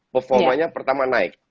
performanya pertama naik